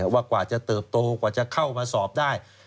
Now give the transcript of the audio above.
ว่ากว่าจะเติบโตกว่าจะเข้ามาสอบได้